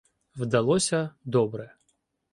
Вдалося добре.